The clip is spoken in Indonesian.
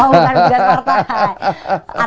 oh bukan tugas partai